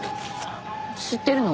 知ってるの？